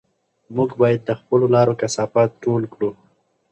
موږ باید د خپلو لارو کثافات ټول کړو.